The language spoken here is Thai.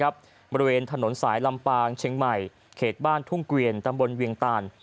บริเวณถนนสายลำปางเชียงใหม่เขตบ้านทุ่งเกวียนตำบลเวียงตาน